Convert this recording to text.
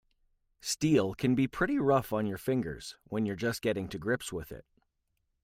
Steel can be pretty rough on your fingers when you're just getting to grips with it.